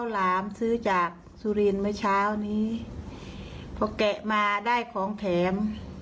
ข้าวหลามซื้อจากสุรินไม่เช้านี้เพราะแกะมาได้ของแถม